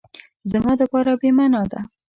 زما دپاره بی معنا ده